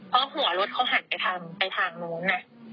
เพราะหัวรถเขาหันไปทางไปทางนู้น